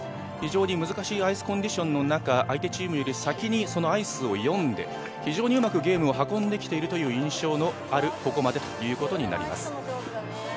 非常に難しいアイスコンディションの中相手チームより先にアイスを読んで非常にうまくゲームを運んできている印象のあるここまでということになります。